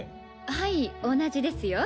はい同じですよ。